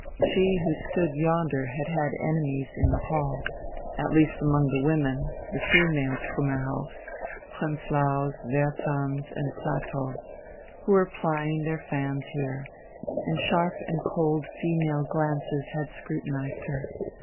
She who stood yonder had had enemies in the hall, at least among the women, the female Trümmerhauffs, Prenzlaus, Wehrzahns, and Platows, who were plying their fans here, and sharp and cold female glances had scrutinized her.